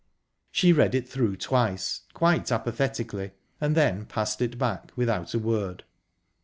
She read it through twice, quite apathetically, and then passed it back without a word.